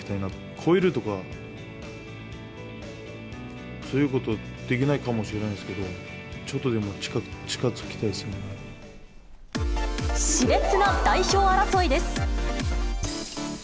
超えるとかは、そういうことできないかもしれないんですけど、しれつな代表争いです。